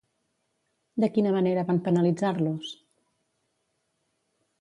De quina manera van penalitzar-los?